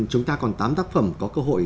chúng ta còn tám tác phẩm có cơ hội